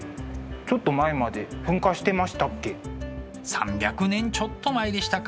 ３００年ちょっと前でしたか